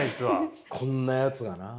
こんなやつがな。